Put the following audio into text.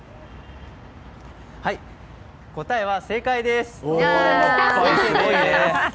答えは正解です。